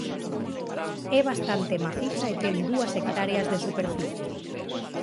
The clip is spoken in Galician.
É bastante maciza e ten dúas hectáreas de superficie.